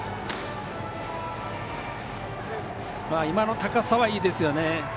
今の高さはいいですよね。